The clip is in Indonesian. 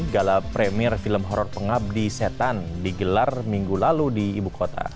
gala premier film horror pengabdi setan digelar minggu lalu di ibu kota